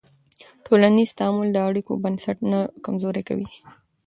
ټولنیز تعامل د اړیکو بنسټ نه کمزوری کوي.